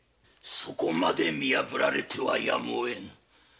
そこまで見破られてはやむをえぬ。